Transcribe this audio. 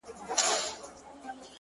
ما په خريلي مخ الله ته سجده وکړه;